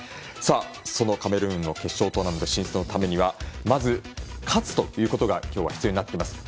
そのカメルーンの決勝トーナメント進出のためにはまず勝つということが今日は必要です。